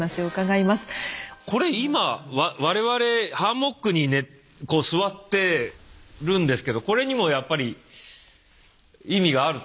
これ今我々ハンモックに座ってるんですけどこれにもやっぱり意味があるということですね。